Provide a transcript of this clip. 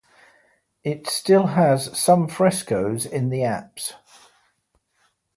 It still has some frescoes in the apse.